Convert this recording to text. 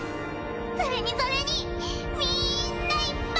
・それにそれにみんないっぱい！